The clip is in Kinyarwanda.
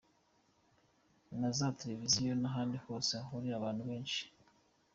na za televiziyo n’ahandi hose hahurira abantu benshi.